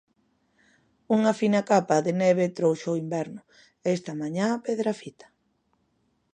Unha fina capa de neve trouxo o inverno esta mañá a Pedrafita.